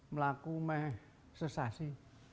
melaku dan sesasi